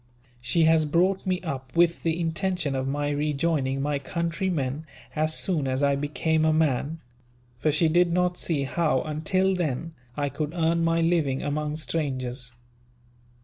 "She has brought me up with the intention of my rejoining my countrymen, as soon as I became a man; for she did not see how, until then, I could earn my living among strangers.